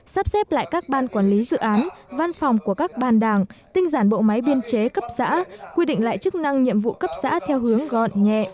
sắp xếp lại các ban quản lý dự án văn phòng của các ban đảng tinh giản bộ máy biên chế cấp xã quy định lại chức năng nhiệm vụ cấp xã theo hướng gọn nhẹ